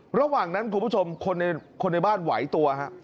ระหว่างนั้นคุณผู้ชมคนในบ้านไหวตัวฮะ